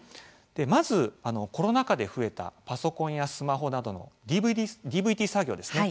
まずコロナ禍で増えたパソコンやスマホなどのＶＤＴ作業ですね。